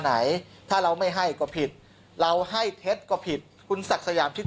ไหนถ้าเราไม่ให้ก็ผิดเราให้เท็จก็ผิดคุณศักดิ์สยามคิด